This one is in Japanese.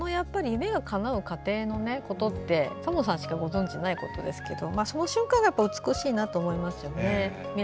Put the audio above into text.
夢がかなう過程のことって多聞さんしかご存じないことですがその瞬間が美しいと思いますよね。